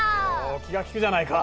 お気が利くじゃないか。